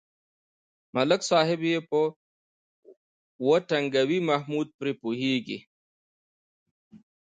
ملک صاحب یې چې و ټنگوي محمود پرې پوهېږي.